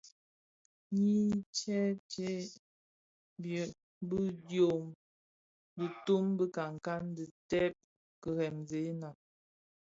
Nyi tsèntsé bi diom tunun bi nkankan, ti ted kiremzèna.